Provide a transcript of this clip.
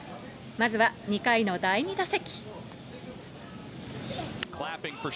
まずは２回の第２打席。